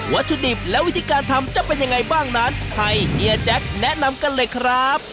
วัตถุดิบและวิธีการทำจะเป็นยังไงบ้างนั้นให้เฮียแจ๊คแนะนำกันเลยครับ